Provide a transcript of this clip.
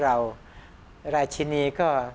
ราชินีก็